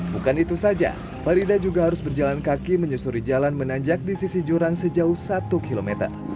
bukan itu saja farida juga harus berjalan kaki menyusuri jalan menanjak di sisi jurang sejauh satu km